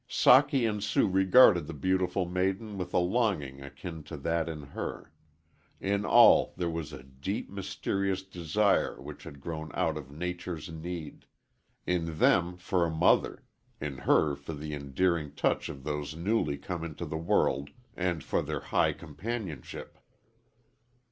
Socky and Sue regarded the beautiful maiden with a longing akin to that in her. In all there was a deep, mysterious desire which had grown out of nature's need in them for a mother, in her for the endearing touch of those newly come into the world and for their high companionship.